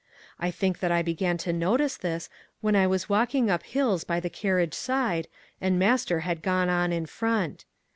I think that I began to notice this when I was walking up hills by the carriage side, and master had gone on in front.